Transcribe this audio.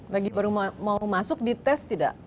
lagi baru mau masuk di tes tidak